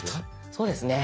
そうですね。